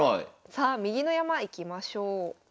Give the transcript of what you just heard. さあ右の山いきましょう。